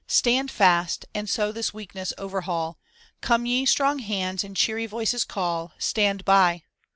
Stand fast and so this weakness overhaul, Come ye strong hands and cheery voices call, "Stand by